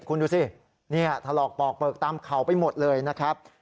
คุณดูสินี่ถลอกปอกเปลือกตามเขาไปหมดเลยนะครับ